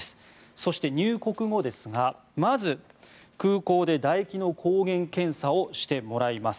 そして入国後ですがまず空港でだ液の抗原検査をしてもらいます。